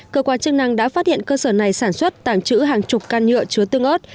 cơ quan chức năng đã phát hiện cơ sở này sản xuất tàng trữ hàng chục can nhựa chứa tương ớt